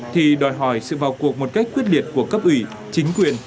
thì đòi hỏi sự vào cuộc một cách quyết liệt của cấp ủy chính quyền